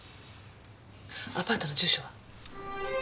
アパートの住所は？